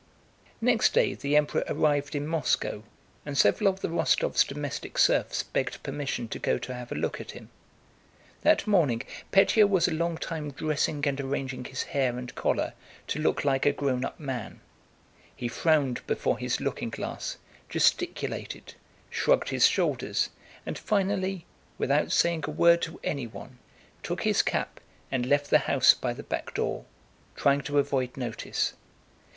Next day the Emperor arrived in Moscow, and several of the Rostóvs' domestic serfs begged permission to go to have a look at him. That morning Pétya was a long time dressing and arranging his hair and collar to look like a grown up man. He frowned before his looking glass, gesticulated, shrugged his shoulders, and finally, without saying a word to anyone, took his cap and left the house by the back door, trying to avoid notice.